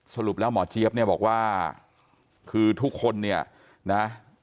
สรุปแล้วหมอเจี๊ยบเนี่ยบอกว่าคือทุกคนเนี่ยนะ